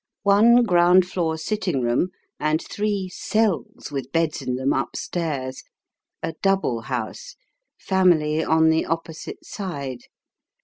One ground floor sitting room, and three cells with beds in them \ip stairs. A double house. Family on the opposite side.